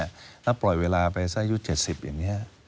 ถ้าปล่อยเวลาไปสักอายุ๗๐อย่างนี้